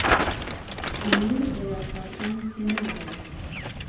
ئەمیر لە یاساکان تێناگات.